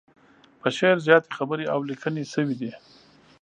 په شعر زياتې خبرې او ليکنې شوي دي.